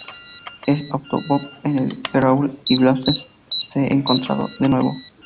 En "Auto-Bop" en el que el Raúl y Blaster se encontrado de nuevo.